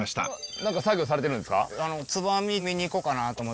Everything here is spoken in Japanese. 何か作業されてるんですか？